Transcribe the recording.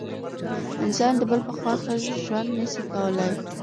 انسان د بل په خوښه ژوند نسي کولای.